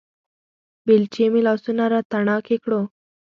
بېلچې مې لاسونه راتڼاکې کړو